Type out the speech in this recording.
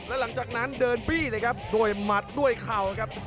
แล้วหลังจากนั้นเดินบี้เลยครับด้วยหมัดด้วยเข่าครับ